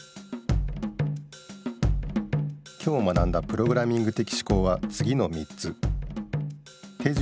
今日学んだプログラミング的思考はつぎの３つじかいも見るべし！